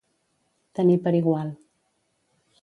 Tenir per igual.